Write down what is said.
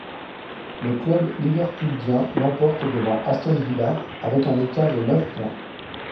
Le club liverpuldien l’emporte devant Aston Villa avec un écart de neuf points.